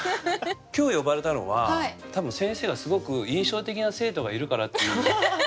今日呼ばれたのは多分先生がすごく印象的な生徒がいるからっていう。